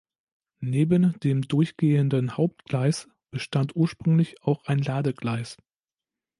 Neben dem durchgehenden Hauptgleis bestand ursprünglich auch ein Ladegleis.